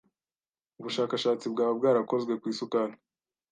ubushakashatsi bwaba bwarakozwe ku isukari